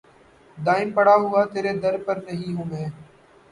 دائم پڑا ہوا تیرے در پر نہیں ہوں میں